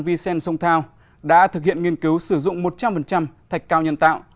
v sen sông thao đã thực hiện nghiên cứu sử dụng một trăm linh thạch cao nhân tạo